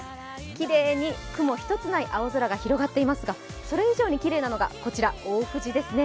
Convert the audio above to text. きれいに雲一つない青空が広がっていますがそれ以上にきれいなのがこちら、大藤ですね。